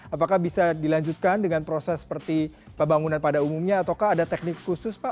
apakah bisa dilanjutkan dengan proses seperti pembangunan pada umumnya ataukah ada teknik khusus pak